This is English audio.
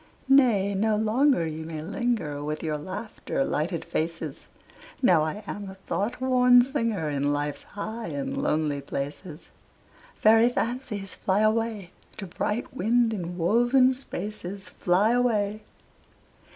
Nay, no longer ye may linger With your laughter lighted faces, Now I am a thought worn singer In life's high and lonely places. Fairy fancies, fly away, To bright wind inwoven spaces, Fly away!